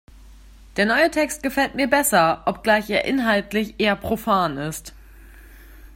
Der neue Text gefällt mir besser, obgleich er inhaltlich eher profan ist.